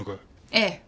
ええ。